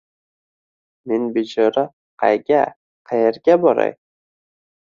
men bechora qayga… qaerga boray?